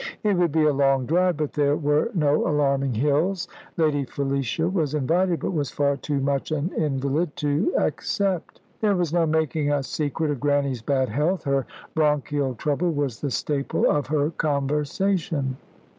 It would be a long drive, but there were no alarming hills. Lady Felicia was invited, but was far too much an invalid to accept. There was no making a secret of Grannie's bad health. Her bronchial trouble was the staple of her conversation.